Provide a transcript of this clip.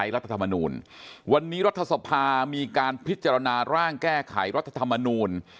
รัฐธรรมนูลวันนี้รัฐสภามีการพิจารณาร่างแก้ไขรัฐธรรมนูล